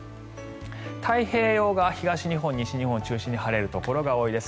太平洋側、東日本、西日本中心に晴れるところが多いです。